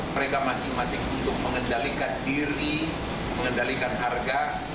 mereka masing masing untuk mengendalikan diri mengendalikan harga